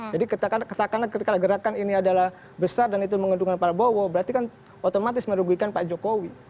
jadi katakanlah ketika gerakan ini adalah besar dan itu menghentungkan para bowo berarti kan otomatis merugikan pak jokowi